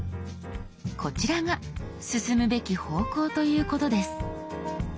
こちらが進むべき方向ということです。